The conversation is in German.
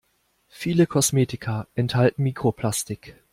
Viele Kosmetika enthalten Mikroplastik.